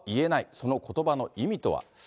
そのことばの意味とは。